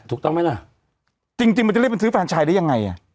ถูกต้องไหมล่ะจริงจริงมันจะรีบไปซื้อแฟนชายได้ยังไงอ่ะ